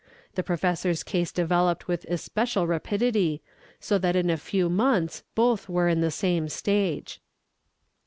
The professor's case developed with especial rapidity, so that in a few months both were in the same stage.